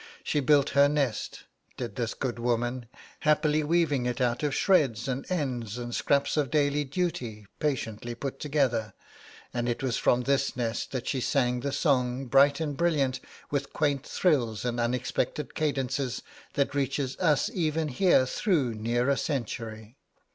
She built her nest, did this good woman, happily weaving it out of shreds, and ends, and scraps of daily duty, patiently put together; and it was from this nest that she sang the song, bright and brilliant, with quaint thrills and unexpected cadences, that reaches us even here through near a century.